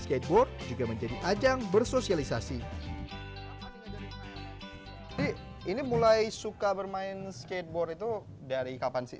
skateboard juga menjadi ajang bersosialisasi ini mulai suka bermain skateboard itu dari kapan sih